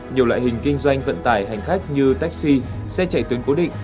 nhiều loại hình kinh doanh vận tải hành khách như taxi xe chạy tuyến cố định